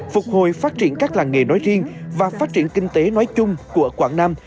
phục hồi phát triển các làng nghề nói riêng và phát triển kinh tế nói chung của quảng nam